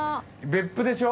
別府でしょ？